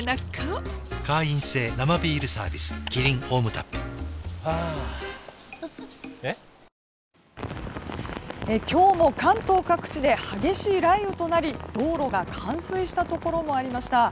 ＴＥＬＡＳＡでは午前９時から今日も関東各地で激しい雷雨となり道路が冠水したところもありました。